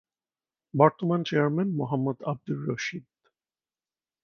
বর্তমান চেয়ারম্যান- মোহাম্মদ আব্দুর রশিদ